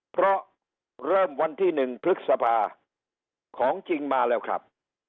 เพราะเริ่มวันที่๑พฤษภาของจริงมาแล้วครับ